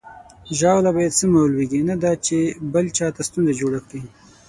ژاوله باید سمه ولویږي، نه دا چې بل چاته ستونزه جوړه کړي.